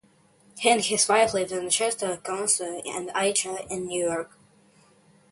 He and his wife later lived in Chester, Connecticut, and Ithaca, New York.